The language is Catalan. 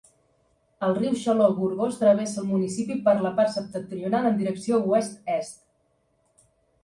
El riu Xaló-Gorgos travessa el municipi per la part septentrional en direcció oest-est.